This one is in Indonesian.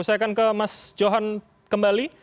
saya akan ke mas johan kembali